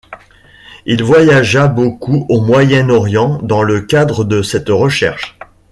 Il voyagea beaucoup au Moyen-Orient dans le cadre de cette recherche.